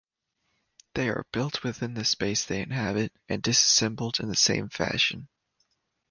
They are built within the space they inhabit and disassembled in the same fashion.